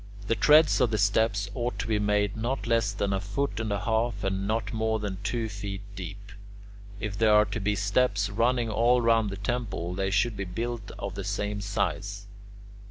The treads of the steps ought to be made not less than a foot and a half, and not more than two feet deep. If there are to be steps running all round the temple, they should be built of the same size.